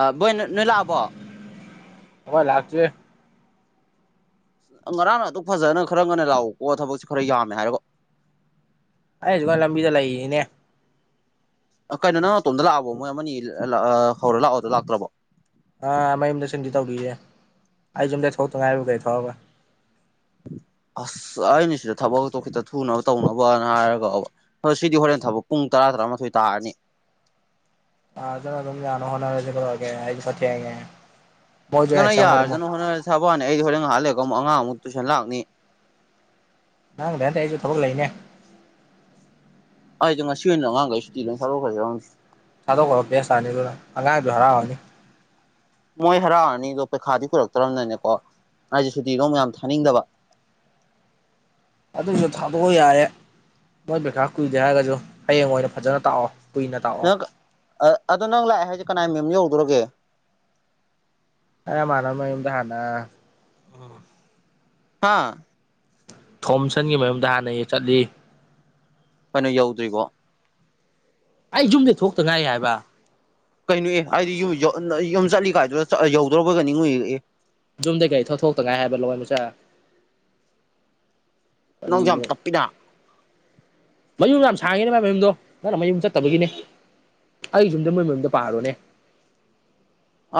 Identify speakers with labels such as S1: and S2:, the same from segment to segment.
S1: ꯑ ꯕꯣꯏ ꯅꯣꯏ ꯂꯥꯛꯑꯕꯣ
S2: ꯑꯩꯣꯏ ꯂꯥꯛꯁ
S1: ꯉꯔꯥꯡ ꯑꯗꯨꯛ ꯐꯖꯅ ꯈꯔ ꯉꯟꯅ ꯂꯥꯛꯑꯣꯀꯣ ꯊꯕꯛꯁꯤ ꯈꯔ ꯌꯥꯝꯃꯦ ꯍꯥꯏꯔꯕ
S2: ꯑꯩꯁꯨꯀꯣꯏ ꯂꯝꯕꯤ ꯆ ꯂꯩꯌꯦꯅꯦ
S1: ꯀꯩꯅꯣ ꯅꯪ ꯑꯇꯣꯝꯗ ꯂꯥꯛꯑꯕꯣ ꯃꯣꯏ ꯑꯃꯅꯤ ꯍꯧꯔ ꯂꯥꯛꯑꯣꯗꯣ ꯂꯥꯛꯇ꯭ꯔꯕꯣ
S2: ꯑꯥ ꯃꯌꯨꯝꯗ ꯁꯤꯟꯗꯤ ꯇꯧꯔꯤꯌꯦꯦ ꯑꯩ ꯌꯨꯝꯗꯩ ꯊꯣꯛꯇꯉꯥꯏ ꯀꯩ ꯊꯣꯛꯑꯒ
S1: ꯎꯝ ꯑꯁ ꯑꯩꯅ ꯁꯤꯗ ꯊꯕꯛꯛꯇꯣ ꯈꯤꯇ ꯊꯨꯅꯕ ꯇꯧꯅꯕꯅ ꯍꯥꯏꯔꯒꯕ ꯁꯤꯗꯤ ꯍꯣꯔꯦꯟ ꯊꯕꯛ ꯄꯨꯡ ꯇꯔꯥ ꯇꯔꯥ ꯇꯔꯥꯃꯥꯊꯣꯏ ꯇꯥꯔꯅꯤ
S2: ꯑ ꯆꯅꯝ ꯑꯅꯣ ꯍꯅ ꯔꯒꯦ ꯑꯩ ꯐꯊꯤ ꯍꯥꯏꯉꯦ
S1: ꯅ ꯅ ꯌꯥꯔ ꯅꯣ ꯍꯅ ꯁꯕꯅꯤ ꯑꯩ ꯍꯣꯔꯦꯟ ꯍꯍꯂꯦꯀ ꯑꯉꯥꯡ ꯑꯃꯨꯛ ꯇꯨꯏꯁꯟ ꯂꯥꯛꯅꯤ
S2: ꯅꯪꯗꯗꯤ ꯑꯩꯁꯨ ꯊꯛ ꯂꯩꯅꯦ
S1: ꯑꯩꯗꯣ ꯉꯁꯤ ꯑꯣꯏꯅ ꯑꯉꯥꯡꯈꯩ ꯁꯨꯇꯤ ꯂꯣꯏ ꯊꯂꯣꯛꯈ꯭ꯔꯦꯉꯥꯡꯦ
S2: ꯊꯥꯗꯣꯛꯈ꯭ꯔꯣ ꯕꯦꯁ ꯇꯥꯔꯅꯤ ꯑꯗꯨꯅ ꯑꯉꯥꯡꯁꯨ ꯍꯔꯥꯎꯂꯅꯤ
S1: ꯃꯣꯏ ꯍꯔꯥꯎꯔꯅꯤꯗꯣ ꯄꯩꯈꯥꯗꯤ ꯀꯨꯢꯔꯛꯇ꯭ꯔꯕꯅꯅꯦꯀꯣ ꯑꯩꯁꯦ ꯁꯨꯇꯤꯗꯣ ꯌꯥꯝ ꯊꯥꯅꯤꯡꯗꯕ [unintelligible]
S2: ꯑꯗꯨꯁꯨ ꯊꯥꯗꯣꯛꯑꯣ ꯌꯥꯔꯦ ꯃꯣꯏ ꯄꯩꯈꯥ ꯀꯨꯏꯗꯦ ꯍꯥꯏꯔꯒꯁꯨ ꯍꯌꯦꯡ ꯑꯣꯏꯅ ꯐꯖꯅ ꯇꯥꯛꯑꯣ ꯀꯨꯏꯅ ꯇꯥꯛꯑꯣ
S1: ꯅꯪ ꯑꯗꯣ ꯅꯪ ꯂꯥꯛꯑꯦ ꯍꯥꯏꯁꯦ ꯀꯅꯥꯏ ꯃꯌꯨꯝ ꯌꯧꯗꯧꯔꯒꯦ
S2: ꯢꯃꯥꯟꯅꯕꯩ ꯃꯌꯨꯝꯗ ꯍꯥꯅ
S1: ꯍꯥꯥ
S2: ꯊꯣꯝꯁꯟꯒꯤ ꯃꯌꯨꯝꯗ ꯍꯥꯟꯅ ꯆꯠꯂꯤ
S1: ꯀꯩꯅꯣ ꯌꯧꯗ꯭ꯔꯤꯕꯣ
S2: ꯑꯩ ꯌꯨꯝꯗꯩ ꯊꯣꯛꯇ ꯉꯥꯏꯔꯤ ꯍꯥꯏꯕ
S1: ꯀꯩꯅꯣ ꯑꯦ ꯍꯥꯏꯗꯤ ꯌꯨꯝ ꯌꯨꯝ ꯆꯠꯂꯤ ꯀꯥꯏꯗꯨ ꯌꯧꯗ꯭ꯔꯕ ꯅꯤꯡꯢ
S2: ꯌꯨꯝꯗꯩ ꯀꯔꯤ ꯊꯧ ꯊꯣꯛꯇ ꯉꯥꯏꯔꯤ ꯍꯥꯏꯕ ꯂꯋꯥꯢ ꯃꯆꯥ
S1: ꯅꯪꯁꯨ ꯌꯥꯝ
S2: ꯀꯔꯤꯅꯣ
S1: ꯇꯞꯄꯤꯅ
S2: ꯃꯌꯨꯝ ꯌꯥꯝ ꯁꯥꯡꯉꯤꯅꯦ ꯃꯥꯢ ꯃꯌꯨꯝꯗꯣ ꯅꯪꯅ ꯃꯌꯨꯝ ꯆꯠꯇꯕꯒꯤꯅꯦ ꯑꯩ ꯌꯨꯝꯗ ꯃꯣꯏ ꯃꯌꯨꯝꯗꯣ ꯄꯥꯔꯣꯅꯦ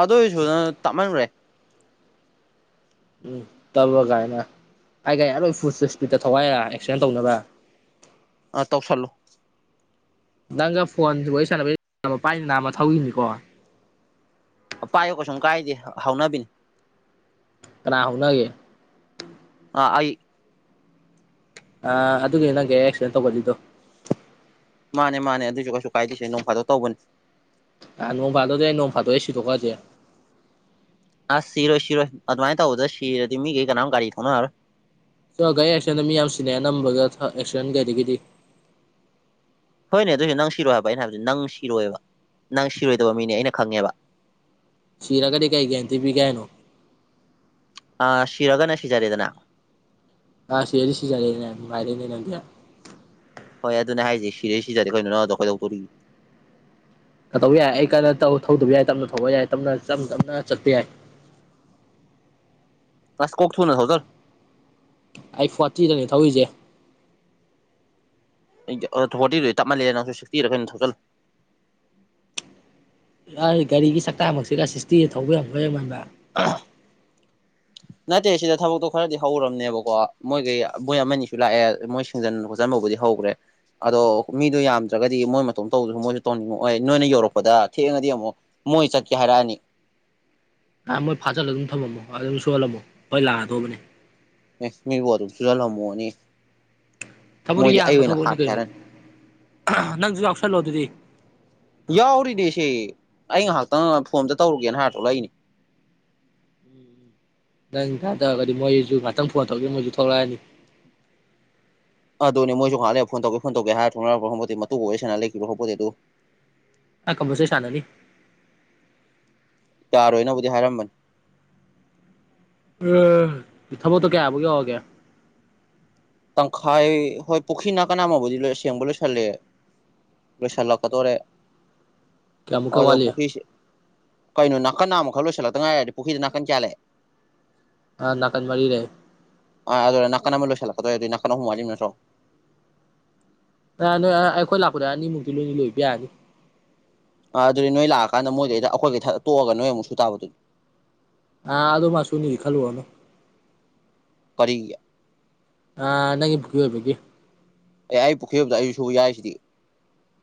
S1: ꯑꯗꯨ ꯑꯣꯏꯁꯨ ꯅꯪ ꯇꯞꯃꯟꯈ꯭ꯔꯦ
S2: ꯎꯝ ꯇꯜꯕ ꯀꯥꯏꯅ ꯑꯩꯒ ꯂꯣꯏ ꯐꯨ ꯏꯁꯄꯤ [inaudible] ꯠꯇ ꯊꯋꯥꯏꯔ ꯑꯦꯛꯁꯤꯗꯦꯟ ꯇꯧꯅꯕ
S1: ꯑꯥ ꯇꯧꯁꯜꯂꯨ
S2: ꯅꯪꯒ ꯐꯣꯟ ꯋꯥꯔꯤ ꯁꯥꯟꯅꯕꯩ ꯅꯝꯃ ꯄꯥꯏꯔ ꯅꯝꯃ ꯊꯧꯔꯤꯅꯤꯀꯣ
S1: ꯄꯥꯏꯌꯣ ꯀꯩꯁꯨꯝ ꯀꯥꯏꯗꯦ ꯍꯧꯅꯕꯤꯅꯦ
S2: ꯀꯅꯥꯥ ꯍꯧꯅꯒꯦ
S1: ꯑ ꯑꯩ
S2: ꯑ ꯑꯗꯨꯒꯤ ꯅꯪꯒꯤꯦ ꯑꯦꯛꯁꯤꯗꯦꯟ ꯇꯧꯕꯁꯤꯗꯣ [inaudible]
S1: ꯃꯥꯅꯦ ꯃꯥꯅꯦ ꯑꯗꯨꯁꯨ ꯀꯩꯁꯨ ꯀꯥꯏꯗꯣꯏꯁꯦ ꯅꯣꯡꯐꯗꯣꯛ ꯇꯧꯕꯅꯤ
S2: ꯑ ꯅꯣꯡꯚꯗꯗ ꯅꯣꯡ ꯐꯗ ꯑꯦꯁꯤ ꯇꯀꯁꯦ [inaudible]
S1: ꯑꯁ ꯁꯤꯔꯣꯏ ꯁꯤꯔꯣꯏ ꯑꯗꯨꯃꯥꯏꯅ ꯇꯧꯕꯗ ꯁꯤꯔꯗꯤ ꯃꯤꯈꯩ ꯀꯅꯥꯝ ꯒꯥꯔꯤ ꯊꯣꯡꯅꯔꯣꯏ
S2: ꯁ ꯒꯥꯔꯤ ꯑꯦꯛꯁꯤꯗꯦꯟꯗ ꯃꯤ ꯌꯥꯝ ꯁꯤꯅꯩ ꯑꯅꯝꯕꯒ ꯑꯦꯛꯁꯤꯗꯦꯟ ꯀꯩꯗꯒꯤꯗꯤ
S1: ꯍꯣꯏꯅꯦ ꯑꯗꯨꯑꯣꯏꯁꯨꯅꯦ ꯅꯪ ꯁꯤꯔꯣꯏ ꯍꯥꯏꯕ ꯑꯩꯅ ꯍꯥꯏꯕꯗꯤ ꯅꯪ ꯁꯤꯔꯣꯏꯑꯕ ꯅꯪ ꯁꯤꯔꯣꯏꯗꯕ ꯃꯤꯅꯦ ꯑꯩꯅ ꯈꯪꯉꯦꯕ
S2: ꯁꯤꯔꯒꯗꯤ ꯀꯔꯤ ꯀꯦꯔꯤꯟꯇꯤ ꯄꯤꯒꯦ ꯍꯥꯢꯅꯣ
S1: ꯑ ꯁꯤꯔꯒꯅ ꯁꯤꯖꯔꯦꯗꯅ
S2: ꯑꯁ ꯁꯤꯔꯗꯤ ꯁꯤꯖꯔꯦꯗꯅ ꯅꯨꯡꯉꯥꯢꯂꯦꯅꯦ ꯅꯪꯗꯤ
S1: ꯍꯣꯏ ꯑꯗꯨꯅꯦ ꯍꯥꯏꯁ ꯁꯤꯔꯦ ꯁꯤꯖꯔꯦ ꯑꯩꯈꯩꯅꯣ ꯅꯪꯗꯣ ꯑꯩꯈꯣꯏꯗꯧꯗꯣꯔꯤ
S2: ꯀꯧꯕ ꯌꯥꯏ ꯑꯩ ꯀꯟꯅ ꯊꯧꯗꯕ ꯌꯥꯏ ꯇꯞꯅ ꯊꯧꯕ ꯌꯥꯏ ꯇꯞꯞꯅ ꯇꯞꯅ ꯆꯠꯄ ꯌꯥꯏ
S1: ꯑꯁ ꯀꯣꯛ ꯊꯨ ꯅ ꯊꯧꯗ
S2: ꯑꯩ ꯐꯣꯔꯇꯤꯗꯅꯦ ꯊꯧꯔꯤꯁꯦ
S1: ꯐꯣꯔꯇꯤꯗꯨ ꯇꯞꯃꯜꯂꯦ ꯅꯪꯁꯨ ꯁꯤꯛꯁꯇꯤꯗ ꯀꯩꯅꯣ ꯊꯥꯎꯖꯤꯜꯂꯣ
S2: ꯑꯩ ꯒꯥꯔꯤꯒꯤ ꯆꯥꯛꯇꯥꯃꯛꯁꯤꯒ ꯁꯤꯁꯇꯤꯗ ꯊꯧꯕ ꯌꯥꯔꯣꯢ
S1: ꯅꯠꯇꯦ ꯁꯤꯗ ꯊꯕꯛꯇꯣ ꯈꯔꯗꯤ ꯍꯧꯔꯕꯅꯦꯕꯀꯣ ꯃꯣꯏꯈꯩ ꯃꯣꯏ ꯑꯃꯅꯤꯁꯨ ꯂꯥꯛꯑꯦ ꯃꯣꯏ ꯁꯦꯡꯖꯤꯟ ꯅꯝꯕꯨꯗꯤ ꯍꯧꯈ꯭ꯔꯦ ꯑꯗꯣ ꯃꯤꯗꯣ ꯌꯥꯝꯗ꯭ꯔꯒꯗꯤ ꯃꯣꯏ ꯃꯇꯣꯝ ꯇꯧꯗꯁꯨ ꯃꯣꯏꯁꯨ ꯇꯧꯅꯤꯡꯉꯛꯑꯣꯏ ꯅꯣꯏꯅ ꯌꯧꯔꯛꯄꯗ ꯊꯦꯡꯉꯗꯤ ꯑꯃꯨꯛ ꯃꯣꯏ ꯆꯠꯀꯦ ꯍꯥꯏꯔꯛꯑꯅꯤ
S2: ꯑ ꯃꯣꯏ ꯐꯥꯖꯤꯜꯂꯥ ꯑꯗꯨꯝ ꯊꯝꯃꯝꯃꯣ ꯑꯗꯨꯝ ꯁꯨꯍꯜꯂꯝꯃꯣ ꯍꯣꯏ ꯂꯥꯛꯑꯗꯧꯕꯅꯦ
S1: ꯃꯤꯕꯨ ꯑꯗꯨꯝ ꯁꯨꯍꯥꯜꯂꯝꯃꯣꯅꯤ
S2: ꯊꯕꯛꯇꯤ ꯌꯥꯡꯕ ꯊꯕꯛꯅꯤ ꯀꯩꯅꯣ ꯅꯪꯁꯨ ꯌꯥꯎꯁꯜꯂꯣ ꯑꯗꯨꯗꯤ
S1: ꯌꯥꯎꯔꯤꯅꯦ ꯁꯤ ꯑꯩ ꯉꯥꯏꯍꯥꯛꯇꯪ ꯐꯣꯟ ꯑꯝꯗ ꯇꯧꯔꯨꯒꯦꯅ ꯍꯥꯏꯔ ꯊꯣꯛꯂꯛꯢꯅꯦ [unintelligible]
S2: ꯅꯪ ꯏꯟꯥꯏ ꯇꯧꯔꯒꯗꯤ ꯃꯣꯏꯁꯨ ꯉꯍꯥꯛꯇꯪ ꯐꯣꯟ ꯇꯧꯒꯦ ꯃꯣꯏꯁꯨ ꯊꯣꯛꯂꯛꯑꯅꯤ [inaudible]
S1: ꯑꯗꯨꯅꯦ ꯃꯣꯏꯁꯨ ꯉꯥꯛꯂꯩꯂ ꯐꯣꯟ ꯇꯧꯒꯦ ꯐꯣꯟ ꯇꯧꯒꯦ ꯍꯥꯏꯔ ꯊꯅ꯭ꯔ ꯐꯣꯡꯄꯗꯤ [inaudible] ꯃꯇꯨ ꯑꯣꯏꯦ ꯁꯅ ꯂꯩꯈꯤꯕ꯭ꯔꯥ ꯐꯕꯦ ꯑꯗꯨ
S2: ꯑ ꯀꯝꯝꯕꯁꯦ ꯁꯥꯅꯅꯤ
S1: ꯇꯥꯔꯣꯏꯅꯕꯨꯗꯤ ꯍꯥꯏꯔꯝꯕꯅꯤ
S2: ꯎꯝ ꯊꯕꯛꯛꯇ ꯀꯌꯥꯕꯒꯦ ꯑꯣꯏꯒꯦ
S1: ꯇꯪꯈꯥꯏ ꯍꯣꯏ ꯄꯨꯈ꯭ꯔꯤ ꯅꯥ ꯀꯅꯥ ꯑꯃꯕꯨꯗꯤ ꯂꯣꯏꯁꯦꯡꯕ ꯂꯣꯏꯁꯜꯂꯦ ꯁꯥꯂ ꯀ ꯇ ꯑꯣꯏꯔꯦ
S2: ꯀꯌꯥꯃꯨꯛꯀ
S1: ꯑꯣꯗꯣ
S2: ꯋꯥꯠꯂꯤ
S1: ꯄꯨꯈꯔꯤꯁ ꯀꯩꯅꯣ ꯅꯥꯀꯟ ꯅꯥ ꯑꯃꯃ ꯈꯛ ꯂꯣꯏꯁꯤꯜꯂꯛꯇ ꯉꯥꯏꯔꯗꯤ ꯄꯨꯈ꯭ꯔꯤꯗ ꯅꯥꯀꯟ ꯆꯥꯂꯑꯦ
S2: ꯑ ꯅꯥꯀꯟ ꯃꯔꯤ ꯂꯩ
S1: ꯑꯗ ꯅꯅꯥꯀꯅ ꯑꯃ ꯂꯁꯂꯥꯛ ꯐꯗꯅꯥ ꯈꯅ ꯁꯨꯃꯥꯏꯂꯤꯝ ꯅ꯭ꯔꯣ
S2: ꯑ ꯅꯣꯏ ꯑꯩꯈꯣꯏ ꯂꯥꯛꯄꯅꯦ ꯑꯅꯤꯃꯨꯛꯇꯤ ꯂꯣꯏꯅꯤ ꯂꯣꯏꯕ ꯌꯥꯅꯤ
S1: ꯑꯥ ꯑꯗꯨꯗꯤ ꯅꯣꯏ ꯂꯥꯛꯑꯀꯥꯟꯗ ꯃꯣꯏꯗꯩꯗ ꯑꯩꯈꯣꯏꯒꯤꯩ ꯇꯣꯛꯑꯒ ꯅꯣꯏ ꯑꯃꯨꯛꯁꯨ ꯇꯥꯕꯗꯨꯅꯤ
S2: ꯑꯥ ꯑ ꯑꯗꯨꯣ ꯃꯥꯁꯨꯨꯅꯤ ꯈꯜ ꯋꯥꯅ
S1: ꯄꯔꯤ
S2: ꯑ ꯅꯪ ꯒ ꯑꯣꯏꯕꯒꯤ
S1: ꯑꯦ ꯑꯩ ꯄꯨꯈꯤꯕ ꯑꯃꯝꯗ ꯑꯩ ꯁꯨ ꯌꯥꯏꯁꯤꯗꯤ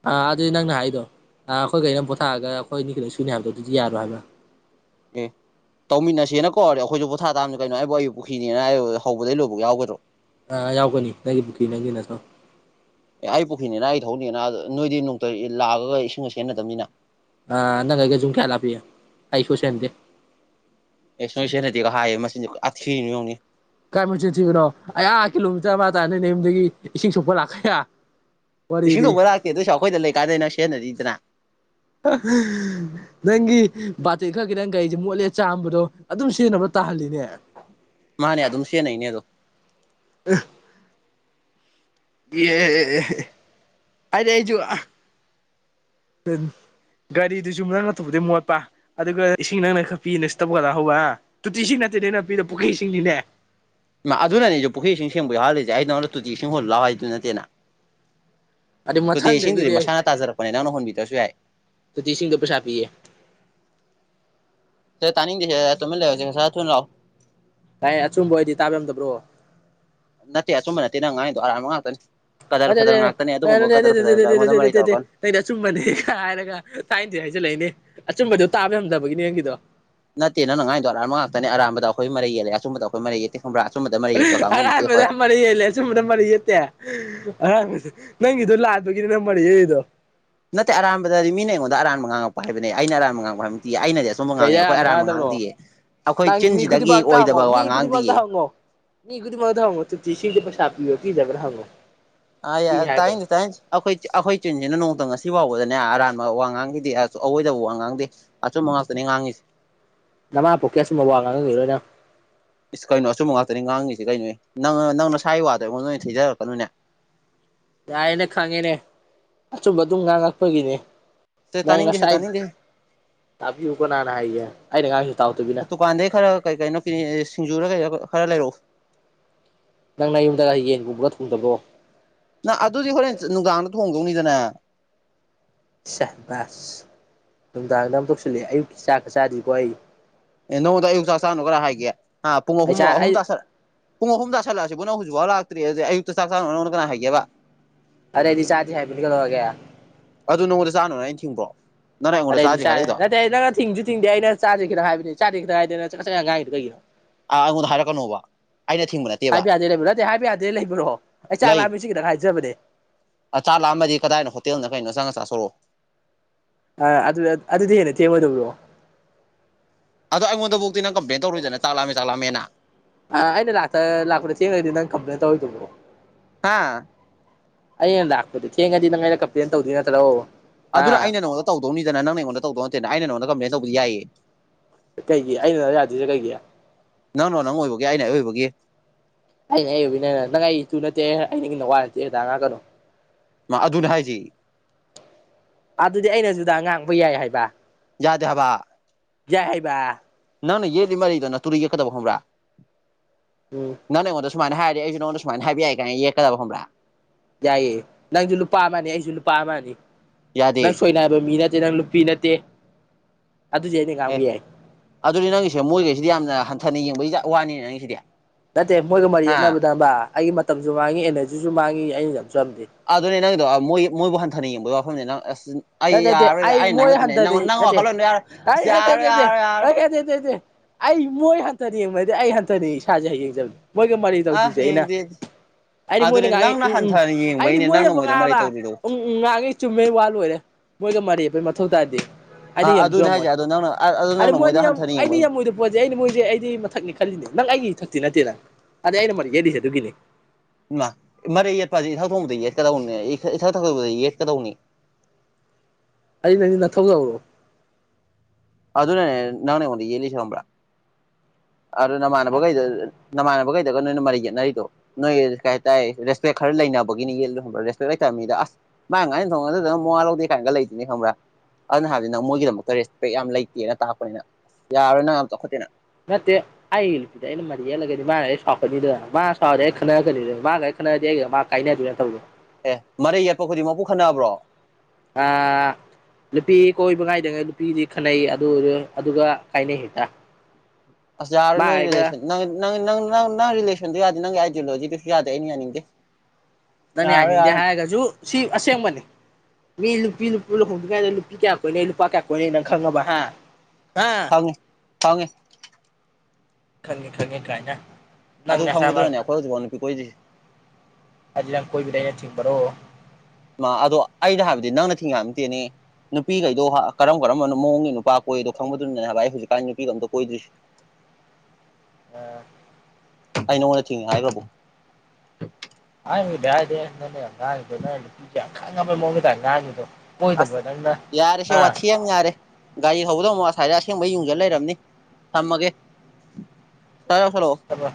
S2: ꯑ ꯑꯗꯨꯗ ꯏ ꯅꯪꯅꯦ ꯍꯥꯏꯗꯣ ꯑꯥ ꯑꯩꯈꯣꯏ ꯀꯩꯅ ꯄꯣꯊꯛꯑꯒ ꯑꯩꯈꯣꯏꯅꯤ ꯀꯂꯛ ꯁꯨꯅꯤ ꯍꯥꯏꯕꯗꯣ ꯑꯗꯨꯗꯤ ꯌꯥꯔꯣꯏ ꯍꯥꯏꯕ
S1: ꯑꯦ ꯇꯧꯃꯤꯅꯥ ꯁꯤꯅ ꯀꯧꯔꯦ ꯑꯩꯈꯣꯏꯁꯨ ꯄꯊꯥꯕꯝꯁꯨ ꯀꯩꯅꯣ ꯑꯩꯕꯨ ꯑꯩꯌ ꯄꯨ꯭ꯈꯤꯅꯤꯅ ꯑꯩꯧꯕꯩ ꯂꯣꯏꯕꯥꯎ ꯌꯥꯎꯗ꯭ꯔꯣ
S2: ꯑꯥ ꯌꯥꯎꯒꯅꯤ ꯅꯪꯒꯤ ꯄꯨꯕꯨꯔꯤ ꯅꯪꯒꯤ ꯅ ꯁꯣ
S1: ꯑꯦ ꯑꯩ ꯄꯨꯈ꯭ꯅꯤꯅ ꯑꯩ ꯊꯧꯅꯤꯅ ꯅꯣꯏꯗꯤ ꯅꯨꯡꯇ ꯂꯥꯛꯑꯒ ꯏꯁꯤꯡꯒ ꯆꯦꯟꯅꯗꯕꯅꯤꯅ
S2: ꯑ ꯅꯪꯉꯥꯏꯒꯖ ꯀꯌꯥ ꯂ ꯄ ꯑꯩꯩ ꯈꯁ ꯍꯥꯏꯟꯗꯤꯦ
S1: ꯑꯦꯁ ꯅꯣꯏꯁꯅꯗꯤꯒ ꯍꯥꯏꯌꯦ ꯃꯁꯤꯗꯤ ꯑꯊꯅ ꯌꯦꯧꯅꯤ
S2: ꯀꯥꯏ ꯃꯆꯠ ꯊꯤꯕꯅꯣ ꯑꯌꯥ ꯀꯤꯂꯣꯃꯤꯇꯔ ꯑꯃ ꯇꯥꯅꯤ ꯅ ꯌꯨꯝꯗꯒꯤ ꯏꯁꯤꯡ ꯁꯣꯛꯄ ꯂꯥꯛꯈꯦ
S1: ꯂꯤꯁꯤꯡ ꯇꯣꯡꯕ ꯂꯥꯛꯇꯦ ꯑꯗꯨꯁꯨ ꯑꯩꯈꯣꯏꯗ ꯂꯩ ꯀꯥꯟꯗꯩ ꯅꯪ ꯁꯖꯤꯟꯅꯔꯤꯗꯅ
S2: ꯅꯪꯒꯤ ꯕꯥꯇꯤ ꯈꯛꯀꯤ ꯅꯪ ꯒꯥꯔꯤꯁꯦ ꯃꯣꯠꯂꯦ ꯆꯥꯝꯕꯗꯣ ꯑꯗꯨꯝ ꯁꯤꯖꯤꯟꯅꯕ ꯇ ꯇꯍꯅꯦ
S1: ꯃꯥꯅꯦ ꯑꯗꯨꯝ ꯁꯤꯖꯤꯟꯅꯩꯅꯦ ꯑꯗꯣ
S2: ꯑ ꯑꯦ ꯑꯔ ꯆ ꯋꯥ ꯎ ꯒꯥꯔꯤꯗꯨꯁꯨꯨꯝ ꯅꯪꯅ ꯇꯧꯕꯗꯩ ꯃꯣꯠꯄ ꯑꯗꯨꯒ ꯏꯁꯤꯡ ꯅꯪꯅ ꯈꯔ ꯄꯤꯅ ꯁꯤ ꯇꯧꯒꯗꯥ ꯍꯧꯕ ꯇꯨꯇꯤ ꯏꯁꯤꯡ ꯅ ꯅꯠꯇꯦꯅꯦ ꯅꯨꯅꯥꯄꯤꯗ ꯄꯨꯈꯩꯁꯤꯡꯅꯤꯅꯦ
S1: ꯃꯥ ꯑꯗꯨꯅꯅꯦꯁꯨ ꯄꯨꯈ꯭ꯔꯤ ꯏꯁꯤꯡ ꯁꯦꯡꯕ ꯌꯥꯍꯜꯂꯤꯁꯦ ꯑꯩ ꯅꯉꯅ ꯇꯨꯇꯤ ꯏꯁꯤꯡ ꯍꯨꯜꯂꯑꯣ ꯍꯥꯏꯗꯨ ꯅꯠꯇꯦꯅ
S2: ꯑꯗꯩ
S1: ꯇꯣꯇꯤ ꯏꯁꯤꯡꯗꯨꯗꯤ
S2: ꯃꯊꯪꯗꯒꯤꯗꯤ
S1: ꯃꯁꯥꯅ ꯇꯥꯖꯔꯛꯄꯅꯦꯅ ꯅꯪꯅ ꯍꯣꯟꯕꯤꯗ꯭ꯔꯁꯨ ꯌꯥꯏ
S2: ꯇ‌ꯣꯇꯤ ꯏꯁꯤꯡꯗ‌ꯣ ꯄꯩꯁꯥ ꯄꯤꯌ‌ꯦ
S1: ꯁ‌ꯦ ꯇꯥꯅꯤꯡꯗ‌ꯦꯁ‌ꯦ ꯇꯨꯃꯤꯟ ꯂꯩꯌ‌ꯣꯁ‌ꯦ ꯁꯠ ꯊꯨꯅ ꯂꯥꯛꯑꯣ
S2: ꯇꯥꯏ ꯑꯆꯨꯝꯕ ꯑꯣꯏꯗꯤ ꯇꯥꯕ ꯉꯝꯗꯕ꯭ꯔꯣ
S1: ꯇꯅ ꯉꯉꯥꯏꯗ ꯑꯔ ꯃꯉ ꯇꯅꯤ
S2: ꯑꯗ
S1: ꯑꯩꯉꯣꯟꯗ ꯃꯔꯩ ꯇꯧꯔꯛꯀꯅꯨ
S2: ꯑꯗꯩꯅ ꯆꯨꯝꯕꯅꯤ ꯀꯅ ꯊꯥꯏꯅ ꯍꯥꯏ ꯂꯩꯅꯦ ꯑꯆꯨꯝꯕꯗꯣ ꯇꯥꯕ ꯌꯥꯝꯗꯕꯒꯤꯅꯦ ꯅꯪꯒꯤꯗꯣ
S1: ꯅꯠꯇꯦ ꯅꯉꯥꯏꯗꯣ ꯑꯔꯥꯟꯕ ꯉꯥꯛꯇꯅꯦ ꯑꯔꯥꯟꯕꯗꯈꯣꯏ ꯃꯔ ꯌꯦꯂꯦ ꯑꯨꯝꯕꯗ ꯑꯩꯈꯣꯏ ꯃꯔꯩ ꯌꯦꯠꯇꯦ ꯈꯪꯕ꯭ꯔꯥ ꯑꯆꯨꯝꯕꯗ ꯃꯔꯩ ꯌꯦꯠꯄ ꯀꯥꯡꯕꯨ ꯅꯠꯇꯦ
S2: ꯑꯔꯝꯕꯗ
S1: ꯑꯩꯈꯣꯏ
S2: ꯃꯔꯤꯂꯦ ꯆꯨꯝꯗ ꯃꯔꯤꯦ ꯇ ꯑꯔꯝ ꯅꯪ ꯀꯗꯣ ꯂꯥꯗꯕꯒꯤꯗ ꯃ ꯏꯗꯣ
S1: ꯅꯠꯇꯦ ꯑꯔꯥꯟꯕꯗꯗꯤ ꯃꯤꯅ ꯑꯩꯉꯣꯟꯗ ꯑꯔꯥꯟꯕ ꯉꯥꯡꯉꯛꯄ ꯍꯥꯏꯕꯅꯦ ꯑꯩꯅ ꯑꯔꯥꯟꯕ ꯉꯥꯡꯉꯛꯄ ꯍꯥꯏꯕ ꯌꯦ ꯑꯩꯅꯗꯤ ꯑꯁꯨꯝꯝꯕ ꯉꯥꯡꯉꯦ
S2: ꯀꯩꯗ
S1: ꯑꯩꯈꯣꯏ ꯑꯔꯥꯟꯕ
S2: ꯉꯥꯡꯗꯕꯅꯣ
S1: ꯉꯥꯡꯗꯌꯦ ꯑꯩꯈꯣꯏ
S2: ꯅꯪ ꯃꯤ
S1: ꯆꯤꯟꯁꯤꯗꯒꯤ ꯑꯣꯏꯗꯕ ꯋꯥ ꯉꯥꯡꯗꯤꯌꯦ
S2: ꯅ ꯀꯗꯤꯃ ꯊꯉꯣ ꯆꯁꯤ ꯁꯤꯗꯦ ꯄꯩꯁꯥ ꯄ ꯀꯤꯖꯕꯔꯉꯣ
S1: ꯑ ꯌꯥ ꯇꯥꯏꯅꯦ ꯇꯥꯏ ꯑꯩꯈꯣꯏ ꯑꯩꯈꯣꯏ ꯆꯤꯟꯁꯤꯅ ꯅꯣꯡ ꯇꯪꯉꯁꯤꯦ ꯉ ꯐꯥꯎꯕꯗꯅꯦ ꯑꯔꯥꯟꯕ ꯋꯥ ꯉꯥꯡꯈꯤꯗꯦ ꯑꯋꯣꯏꯗꯕ ꯋꯥ ꯉꯥꯡꯗꯦ ꯑꯆꯨꯝꯕ ꯉꯥꯛꯇꯅꯦ ꯉꯥꯡꯉꯁꯤꯦ
S2: ꯅꯃ ꯄ ꯀꯦ ꯁ ꯃ ꯋꯥꯉꯉ ꯀꯔꯣꯗ
S1: ꯏꯁ ꯀꯩꯅꯣ ꯑꯆꯨꯝꯕ ꯉꯥꯛꯇꯅꯤ ꯉꯥꯡꯉꯁꯤ ꯀꯩꯅꯣꯅꯦ ꯅꯪ ꯅꯪ ꯅ ꯁꯥꯏ ꯋꯥꯗꯣ ꯑꯩꯉꯣꯟꯗ ꯅꯣꯏ ꯊꯩꯖꯔꯛꯀꯅꯨꯅꯦ [unintelligible] [unintelligible]
S2: ꯌꯥꯏꯅ ꯈꯪꯉꯦꯅꯦ ꯑꯆꯨꯝꯕ ꯑꯗꯨꯝ ꯉꯥꯡꯉꯛꯄꯒꯤꯅꯦ
S1: ꯁꯤ
S2: ꯅꯪ
S1: ꯇꯥꯅꯤꯒꯦꯍꯦ
S2: ꯉꯁꯥꯏ
S1: ꯇꯥꯅꯤꯒꯦ
S2: ꯇꯥꯕꯤꯌꯨ ꯀꯅꯥꯅ ꯍꯥꯏꯒꯦ ꯑꯩꯅ ꯉꯥꯡꯉꯤꯁꯤ ꯇꯥꯎ ꯇꯨꯃꯤꯟꯅ
S1: ꯗꯨꯀꯥꯟꯗꯩ ꯈꯔ ꯀꯩ ꯀꯩꯅꯣ ꯀꯤꯅꯤ ꯁꯤꯡꯖꯨꯔ ꯀꯩꯔꯥꯕ ꯈꯔ ꯂꯩꯔꯛꯎ
S2: ꯅꯪ ꯅꯌꯨꯝꯗ ꯌꯦꯟꯒꯨꯝꯕꯒ ꯊ‌ꯣꯡꯗꯕ꯭ꯔꯣ
S1: ꯅ ꯑꯗꯨꯗꯤ ꯍꯣꯔꯦꯟ ꯆ ꯅꯨꯡꯗꯥꯡꯗ ꯊꯣꯡꯗꯧꯅꯤꯗꯅ
S2: ꯁꯤꯌꯥ ꯕꯁ ꯅꯨꯡꯗꯥꯡꯗ ꯑꯃꯨꯛ ꯇꯧꯁꯤꯜꯂꯛꯑꯦ ꯑꯌꯨꯛꯀꯤ ꯆꯥꯛꯀ ꯆꯥꯗ꯭ꯔꯤꯀꯣ ꯑꯩ
S1: ꯑꯦ ꯅꯉꯣꯟꯗ ꯑꯌꯨꯛ ꯆꯥꯛ ꯆꯥꯅꯣ ꯀꯅꯥ ꯍꯥꯏꯒꯦ ꯍꯥ ꯄꯨꯡ
S2: ꯑꯩ
S1: ꯑꯍꯨꯝ
S2: ꯆꯥ
S1: ꯑꯍꯨꯝ
S2: ꯑꯩ
S1: ꯇ ꯄꯨꯡ ꯑꯍꯨꯝ ꯇꯥꯁꯜ ꯂꯛꯑꯁꯤ ꯕꯨ ꯅꯪ ꯍꯧꯖꯤꯛꯐꯥꯎ ꯂꯥꯛꯇ꯭ꯔꯤ ꯑꯗꯤ ꯑꯌꯨꯛꯇ ꯆꯥꯛꯅ‌ꯣ ꯀꯅꯥ ꯍꯥꯏꯒꯦꯕ
S2: ꯑꯔꯦꯗꯤ ꯆꯥꯖ‌ꯦ ꯍꯥꯏꯕꯅꯤ ꯀꯩꯗꯧꯔꯒꯦ
S1: ꯑꯗ‌ꯣ ꯅꯪꯉꯣꯟꯗ ꯆꯥꯅꯨꯅ ꯑꯩꯅ ꯊꯤꯡꯕ꯭ꯔꯣ ꯅꯪꯅ ꯑꯩꯉꯣꯟꯗ
S2: ꯑꯗꯩꯗꯤ
S1: ꯆꯥꯗ꯭ꯔꯤ
S2: ꯆꯥꯔꯦ
S1: ꯍꯥꯏꯔꯛꯏꯗꯣ
S2: ꯅꯠꯇꯦ ꯑꯩ ꯅꯪꯅ ꯊꯤꯡꯁꯨ ꯊꯤꯡꯗ‌ꯦ ꯑꯩꯅ ꯆꯥꯗꯔꯤ ꯈꯤꯇꯪ ꯍꯥꯏꯕꯅꯤ ꯆꯥꯗꯔꯤ ꯈꯤꯇꯪ ꯍꯥꯏꯗ ꯅ‌ꯪ ꯆꯥꯒꯠ ꯆꯥꯒꯠ ꯌꯥꯝ ꯉꯥꯡꯉꯤꯗꯨ ꯀꯩꯒꯤꯅꯣ
S1: ꯑ ꯑꯩꯉꯣꯟꯗ ꯍꯥꯏꯔꯛꯀꯅꯣꯕ ꯑꯩꯅ ꯊꯤꯡꯕ ꯅꯠꯇꯦꯕ
S2: ꯍꯥꯏꯕ ꯌꯥꯗꯦ ꯂꯩꯕꯔꯣ ꯅꯠꯇ‌ꯦ ꯍꯥꯏꯕ ꯌꯥꯗꯦ ꯂꯩꯕꯔꯣ ꯑꯩ ꯆꯥꯛ ꯂꯥꯝꯃꯤ ꯁꯤ ꯈꯤꯇꯪ ꯍꯥꯏꯖꯕꯅꯦ
S1: ꯑ ꯆꯥꯛ ꯂꯥꯝꯃꯗꯤ ꯀꯗꯥꯏꯅꯣ ꯍꯣꯇꯦꯜꯅ ꯀꯩꯅꯣ ꯆꯪꯉ ꯆꯥꯊꯣꯔꯛꯑꯣ
S2: ꯑ ꯑꯗꯨ ꯑꯗꯨꯗꯤ ꯍ‌ꯦꯟꯅ ꯊ‌ꯦꯡꯉ‌ꯣꯏꯗꯕꯔ‌ꯣ
S1: ꯑꯗ‌ꯣ ꯑꯩꯉꯣꯟꯗꯕꯥꯎꯗꯤ ꯀꯝ꯭ꯄꯂꯦꯟ ꯇꯧꯔ‌ꯣꯏꯗꯅ ꯆꯥꯛ ꯂꯥꯝꯃꯤ ꯆꯥꯛ ꯃꯦꯅ
S2: ꯇꯧ ꯑꯣꯏꯗꯕꯣ
S1: ꯍꯥꯥ
S2: ꯑꯩ ꯂꯥꯛꯄꯗ‌ꯣ ꯊꯦꯡꯉꯗꯤ ꯅꯪꯪ ꯑꯩꯅ ꯀꯝꯄꯂ‌ꯦꯟ ꯇꯧꯗꯨꯏ ꯅꯠꯇ꯭ꯔꯣ
S1: ꯑꯗꯨꯅ
S2: ꯑꯥ
S1: ꯑꯩꯅ ꯅꯪꯉꯣꯟꯗ ꯇꯧꯗꯧꯅꯤꯗꯅ ꯅꯪꯅ ꯑꯩꯉꯣꯟꯗ ꯇꯧꯗꯧ ꯅꯠꯇꯦꯅ ꯑꯩꯅ ꯅꯪꯉꯣꯟꯗ ꯀꯝꯄ꯭ꯂꯦꯟ ꯇꯧꯕꯗꯤ ꯌꯥꯏꯌꯦ
S2: ꯀꯩꯒꯤ ꯑꯩꯅ ꯌꯥꯗꯔꯤꯁꯤꯅꯥ ꯀꯩꯒꯤ
S1: ꯅꯪꯅ ꯅꯪ ꯑꯣꯏꯕꯒꯤ ꯑꯩꯅ ꯑꯩ ꯑꯣꯏꯕꯒꯤ
S2: ꯑꯩꯅ ꯑꯩ ꯑꯣꯏꯕꯩ ꯅ ꯅꯪ ꯑꯩ ꯏꯇꯨ ꯅꯠꯇꯦꯍ ꯑꯩ ꯅꯪꯒꯤ ꯅꯥꯋꯥ ꯅꯠꯇꯦ ꯑꯗꯥꯏ ꯉꯥꯡꯉꯛꯀꯅꯨ
S1: ꯃꯥ ꯑꯗꯨꯅꯦ ꯍꯥꯏꯖꯦ
S2: ꯑꯗꯨꯗꯤ ꯑꯩꯅꯁꯨ ꯗꯥ ꯑꯉꯥꯡꯕꯨ ꯌꯥꯏ ꯍꯥꯏꯕ
S1: ꯌꯥꯗꯦ ꯍꯥꯏꯕꯥ
S2: ꯌꯥꯏ ꯍꯥꯏꯕꯥ
S1: ꯅꯪꯅ ꯌꯦꯠꯂꯤ ꯃꯔꯩꯗꯨ ꯅꯥꯇꯨꯗꯥ ꯌꯦꯛꯀꯗꯕ ꯈꯪꯕ꯭ꯔꯥ
S2: ꯎꯝ
S1: ꯅꯪꯅ ꯑꯩꯉꯣꯟꯗ ꯁꯨꯃꯥꯏꯅ ꯍꯥꯏꯔꯗꯤ ꯑꯩꯁꯨ ꯅꯪꯉꯣꯟꯗꯥ ꯁꯨꯃꯥꯏꯅ ꯍꯥꯏꯕ ꯌꯥꯏ ꯀꯥꯏꯅꯥ ꯌꯦꯠꯀꯗꯕ ꯈꯪꯕ꯭ꯔꯥ
S2: ꯌꯥꯏꯑꯦ ꯅꯪꯁꯨ ꯅꯨꯨꯄꯥ ꯑꯃꯅꯤ ꯑꯩꯁꯨ ꯅꯨꯄꯥ ꯑꯃꯅꯤ
S1: ꯌꯥꯗꯦ
S2: ꯅꯪ ꯁꯣꯏꯅꯥꯏꯕ ꯃꯤ ꯅꯠ ꯇꯦ ꯅꯪ ꯅꯨꯄꯤ ꯅꯠꯇꯦ ꯑꯗꯨꯗꯤ ꯑꯩꯅ
S1: ꯑꯦ
S2: ꯉꯥꯡꯕ ꯌꯥꯏ
S1: ꯑꯗꯨꯗꯤ ꯅꯪꯒꯤꯁꯦ ꯃꯣꯏꯉꯩꯁꯤꯗꯤ ꯌꯥꯝꯅ ꯍꯟꯊꯅ ꯌꯦꯡꯕꯩ ꯖꯥꯠ ꯋꯥꯅꯤꯅꯦ ꯅꯪꯒꯤꯁꯤꯗꯤ
S2: ꯅꯠꯇꯦ ꯃꯣꯏꯒ ꯃꯔꯩ
S1: ꯍꯥ
S2: ꯌꯦꯠꯅꯕꯗꯕ ꯑꯩꯒꯤ ꯃꯇꯝꯁꯨ ꯃꯥꯡꯉꯤ ꯑꯦꯅꯔꯖꯤꯁꯨ ꯃꯥꯡꯉꯤ ꯑꯩꯅ ꯆꯝꯗꯦ
S1: ꯑꯗꯨꯅꯦ ꯅꯪꯒꯤꯗꯣ ꯑ ꯃꯣꯏ ꯃꯣꯏꯕꯨ ꯍꯟꯊꯅ ꯌꯦꯡꯕꯩ ꯋꯥꯐꯝꯅꯦ ꯅꯪ ꯑꯁ ꯑꯩ
S2: ꯅꯠꯇꯦ ꯅꯠꯇꯦ
S1: ꯌꯥꯔꯔꯣꯏꯗꯥ ꯑꯩ
S2: ꯃꯣꯏ
S1: ꯅꯍꯟꯒꯥꯩ ꯇꯤꯟꯅꯩ ꯅꯪ
S2: ꯍꯟꯊꯗꯤ
S1: ꯅꯪ
S2: ꯅꯠꯇꯦ
S1: ꯋꯥꯈꯜꯂꯣꯟꯗꯣ ꯌꯥꯔꯣꯏ ꯑꯁ
S2: ꯑꯩ ꯅꯠꯇꯦ
S1: ꯌꯥꯔꯣꯏ
S2: ꯅꯠꯇꯦ
S1: ꯌꯥꯔ‌ꯣꯏ ꯌꯥꯔ‌ꯣꯏ
S2: ꯑꯩ ꯅꯠꯇꯦ ꯅꯠꯇꯦ ꯑꯩ ꯃꯣꯏ ꯍꯟꯊꯅ ꯌꯦꯡꯕꯗꯤ ꯑꯩ ꯍꯟꯊꯅ ꯑꯩ ꯏꯁꯥꯁꯦ ꯍ ꯌꯦꯡꯖꯕ ꯃꯣꯏꯒ ꯃꯔꯩ
S1: ꯑ
S2: ꯇꯧꯗꯔꯤꯁꯦ ꯑꯩꯅꯥ
S1: ꯌꯦꯡꯗꯦ
S2: ꯑꯩꯗꯤ ꯃꯣꯏꯅ
S1: ꯑꯗꯨꯅꯦ
S2: ꯉꯥꯡꯉꯦ
S1: ꯅꯪꯅ
S2: ꯎꯝ ꯎꯝ
S1: ꯍꯟꯊꯅ
S2: ꯑꯩꯗꯤ
S1: ꯌꯦꯡꯕꯩꯅꯦ ꯅꯪꯅ
S2: ꯃꯣꯏꯅꯕꯨ
S1: ꯃꯣꯏꯗ ꯃꯔꯩ
S2: ꯉꯥꯡꯉꯕ
S1: ꯇꯧꯔꯤꯗꯣ
S2: ꯎꯝ ꯎꯝ ꯉꯥꯡꯉꯦ ꯆꯨꯝꯃꯦ ꯋꯥ ꯂꯣꯏꯔꯦ ꯃꯣꯏꯒ ꯃꯔꯩ ꯌꯦꯠꯄꯩ ꯃꯊꯧ ꯇꯥꯗꯦ
S1: ꯑ ꯑꯗꯨꯅꯦ ꯍꯥꯏꯖꯦ ꯑꯗꯨ ꯅꯪꯅ
S2: ꯑꯗ‌
S1: ꯃꯣꯏꯗ
S2: ꯃꯣꯏꯗꯤ ꯌꯥꯝ
S1: ꯍꯟꯊꯅ
S2: ꯑꯩꯅ
S1: ꯌꯦꯡꯕꯩꯅꯦ
S2: ꯌꯥꯝ ꯑꯣꯏꯗꯕ ꯄꯣꯠꯁꯦ ꯑꯩꯅ ꯃꯣꯏꯁꯦ ꯑꯩꯗꯤ ꯃꯊꯛꯅꯤ ꯈꯜꯂꯤꯅꯦ ꯅꯪ ꯑꯩꯒꯤ ꯏꯊꯛ ꯇꯤ ꯅꯠꯇꯦꯗ ꯑꯗ ꯑꯩꯅ ꯃꯔꯤ ꯌꯦꯠꯔꯤꯁꯦ ꯑꯗꯨꯒꯤꯅꯤ
S1: ꯏꯃꯥ ꯃꯔꯩ ꯌꯦꯠꯄꯁ‌ꯦ ꯏꯊꯛ ꯊꯣꯡꯕꯗ ꯌꯦꯠꯀꯗꯧꯅꯤ ꯏ ꯏꯊꯛꯗ ꯌꯦꯠꯀꯗꯧꯅꯤ [inaudible]
S2: ꯑꯩ ꯅꯪꯗꯤ ꯅꯊꯧ ꯌꯥꯎꯔꯣ
S1: ꯑꯗꯨꯅꯅꯦ ꯅꯪꯅ ꯑꯩꯉꯣꯟꯗꯥ ꯌꯦꯠꯂꯤꯁꯦ ꯈꯪꯕ꯭ꯔ ꯑꯗꯨ ꯅꯃꯥꯟꯅꯕꯈꯩꯗ ꯅꯃꯥꯟꯅꯕꯈꯩꯗꯒ ꯅꯣꯏꯅ ꯃꯔꯩ ꯌꯦꯠꯅꯔꯤꯗꯣ ꯅꯣꯏ ꯀꯩ ꯍꯥꯏꯇꯥꯔꯦ ꯔꯦꯁꯄꯦꯛ ꯈꯔ ꯂꯩꯅꯕꯒꯤꯅꯤ ꯌꯦꯜꯂꯤꯗ‌ꯣ ꯈꯪꯕ꯭ꯔꯥ ꯔꯦꯁꯄꯦꯛ ꯂꯩꯇꯕ ꯃꯤꯗ ꯑꯁ ꯃꯥꯏ ꯉꯥꯡꯉꯤ ꯊꯣꯡꯉ‌ꯣꯏ [unintelligible] ꯅ ꯃꯋꯥ ꯂꯧꯗꯦ ꯀꯥꯏꯅꯒ ꯂꯩꯗꯨꯅꯤ ꯈꯪꯕ꯭ꯔꯥ ꯑꯗꯨꯅ ꯍꯥꯏꯕꯗꯤ ꯅꯪ ꯃꯣꯏꯒꯤꯗꯃꯛꯇ ꯔꯦꯁꯄꯦꯛ ꯌꯥꯝ ꯂꯩꯇꯦꯅ ꯇꯥꯛꯄꯅꯤ ꯅꯪ ꯌꯥꯔꯔꯣꯏ ꯅꯪ ꯌꯥꯝ ꯆꯥꯎꯈꯠꯇꯦ ꯅꯪ
S2: ꯅꯠꯇꯦ ꯑꯩꯒꯤꯅꯨꯄꯤꯗꯥ ꯑꯩꯅ ꯃꯔꯩ ꯌꯦꯠꯂꯒꯗꯤ ꯃꯥꯅ ꯑꯩ ꯁꯥꯎꯔꯛꯀꯥꯅꯤꯗꯅ ꯃꯥ ꯁꯥꯎꯔꯗꯤ ꯑꯩ ꯈꯠꯅꯔꯛꯀꯅꯤꯗ ꯃꯥꯒ ꯑꯩ ꯈꯠꯅꯔꯗꯤ ꯑꯩꯒꯥ ꯃꯒꯥ ꯀꯥꯏꯅꯥ ꯗꯨꯏꯔ ꯇꯧꯔꯤ
S1: ꯑꯦ ꯃꯔꯩ ꯌꯦꯠꯄ ꯈꯨꯗꯤꯡꯃꯛꯄꯨ ꯈꯠꯅꯕ꯭ꯔꯣ
S2: ꯑꯥ ꯅꯨꯄꯤ ꯀꯣꯏꯕ ꯉꯥꯏꯗꯉꯩ ꯅꯨꯄꯤꯗꯤ ꯈꯠꯅꯩ ꯑꯗꯨ ꯑꯣꯏꯔꯒ ꯑꯗꯨꯒ ꯀꯥꯏꯅꯩ ꯍꯦꯛꯇ
S1: ꯑꯁ ꯌꯥꯔꯣꯏ
S2: ꯃꯥ
S1: ꯅꯣꯏ
S2: ꯑꯩꯒ
S1: ꯔꯤꯂꯦꯁꯟ ꯅꯪ ꯅꯪ ꯅꯪ ꯅꯪ ꯅꯪ ꯔꯤꯂꯦꯁꯟꯗꫭ ꯌꯥꯗꯦ ꯅꯪꯒꯤ ꯑꯥꯏꯗꯦꯂꯣꯖꯤꯗꯨꯁꯨ ꯌꯥꯗꯦ ꯑꯩꯅ ꯌꯥꯅꯤꯡꯗꯦ
S2: ꯅꯪꯅ
S1: ꯌꯥꯔꯣꯏ
S2: ꯌꯥꯅꯤꯡꯗꯦ
S1: ꯌꯥꯔꯣꯏ
S2: ꯍꯥꯏꯔꯒꯖꯨ ꯁꯤ ꯑꯁꯦꯡꯕꯅꯦ ꯃꯤ ꯂꯨꯄꯤ ꯂꯨꯄ ꯂꯨꯍꯣꯡꯗꯔꯤ ꯉꯩꯗ ꯅꯨꯄꯤ ꯀꯌꯥ ꯀꯣꯏꯅꯩ ꯅꯨꯄꯥ ꯀꯌꯥ ꯀꯣꯏꯅꯩ ꯅꯪ ꯈꯪꯉꯕ ꯍꯥ ꯍꯥ
S1: ꯈꯪꯉꯦ ꯈꯪꯉꯦ
S2: ꯈꯪꯉꯦ ꯈꯪꯉꯦ ꯀꯥꯏꯅ
S1: ꯑꯗꯨ
S2: ꯅꯪꯅꯁꯥꯃꯛ
S1: ꯈꯪꯕꯗꯨꯅꯅꯦ ꯑꯩꯈꯣꯏ ꯍꯧꯖꯤꯛꯐꯥꯎ ꯅꯨꯄꯤ ꯀꯣꯏꯗ꯭ꯔꯤꯁꯦ
S2: ꯑꯅꯤꯔꯛ ꯀꯣꯏꯕꯤꯗꯩꯩ ꯅ ꯆꯤꯡꯗꯔꯣ
S1: ꯃꯥ ꯑꯗꯣ ꯑꯩꯅꯥ ꯍꯥꯏꯕꯗꯤ ꯅꯪꯅ ꯊꯤꯡꯉꯦ ꯍꯥꯏꯕ ꯅꯠꯇꯦꯅꯦ ꯅꯨꯄꯤꯒꯩꯗꯣ ꯍꯥ ꯀꯔꯝ ꯀꯔꯝꯕꯅꯣ ꯃꯑꯣꯡꯒꯤ ꯅꯨꯄꯥ ꯀꯣꯏꯗꯣ ꯈꯪꯕꯗꯨꯅꯥꯅꯦ ꯍꯥꯏꯕ ꯑꯩ ꯍꯧꯖꯤꯛꯀꯥꯟ ꯅꯨꯄꯤꯒ ꯑꯝꯇ ꯀꯣꯏꯗ꯭ꯔꯤꯁꯤ [inaudible] [unintelligible]
S2: ꯑ
S1: ꯑꯩ ꯅꯉꯣꯟꯗ ꯊꯤꯡꯉꯦ ꯍꯥꯏꯒꯔꯕꯣ
S2: ꯍꯥꯏꯕꯨꯗꯤ ꯍꯥꯏꯗꯦ ꯅꯪꯅ ꯉꯥꯡꯉꯤꯗꯨꯅ ꯅꯨꯄꯤ ꯀꯌꯥ ꯈꯪꯉꯕꯥ ꯃꯑꯣꯡꯗ ꯇꯥꯞ ꯉꯥꯡꯉꯤꯗꯣ ꯀꯣꯏꯗꯕ
S1: ꯑꯁ
S2: ꯅꯪꯅ
S1: ꯌꯥꯔꯦ ꯁꯦ
S2: ꯍꯥ
S1: ꯋꯥꯊꯤ ꯌꯥꯝ ꯌꯥꯔꯦ ꯒꯥꯔꯤ ꯊꯧꯕꯗ ꯑꯃꯨꯛ ꯑꯁꯥꯥꯏꯗꯥ ꯁꯦꯡꯕꯩ ꯌꯨꯡꯖꯟ ꯂꯩꯔꯝꯅꯤ ꯊꯝꯃꯒꯦ ꯇꯔ ꯌꯧꯁꯜꯂꯛꯑꯣ
S2: ꯑꯩꯃ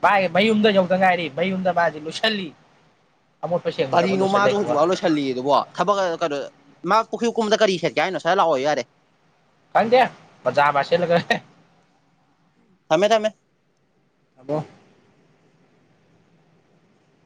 S2: ꯇꯥꯏꯌꯦ ꯕꯥꯏ ꯌꯨꯝꯗ ꯌꯧ ꯗꯉꯥꯏꯔꯤ ꯕꯥꯏ ꯌꯨꯝꯗ ꯃꯥ ꯍꯧꯖꯤꯛ ꯂꫭꯏꯁꯜꯂꯤ
S1: ꯀꯔꯤꯅꯣ ꯃꯥꯖꯨ ꯍꯧꯖꯤꯛꯐꯥꯎ ꯂꯣꯏꯁꯤꯜꯂꯤ ꯑꯗꯨꯕꯣ ꯊꯕꯛ ꯑ ꯀꯩꯅꯣ ꯃꯥ ꯄꯨꯈ꯭ꯔꯤ ꯀꯨꯝꯕꯗ ꯀꯔꯤ ꯁꯠꯀꯦ ꯍꯥꯏꯅꫭ ꯁꯠ ꯂꯥꯛꯑꯣꯌꯨ ꯌꯥꯔꯦ
S2: ꯀꯪꯗ ꯄꯖꯥꯃꯥꯁꯦꯠꯂꯒ ꯍꯦ
S1: ꯊꯝꯃꯦ ꯊꯝꯃꯦ